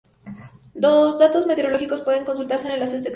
Los datos meteorológicos pueden consultarse en enlaces externos.